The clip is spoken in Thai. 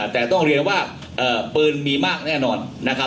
แต่ต้องเรียนว่าเปลือนมีมากแน่นอน